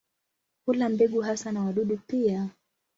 Hula mbegu hasa na wadudu pia.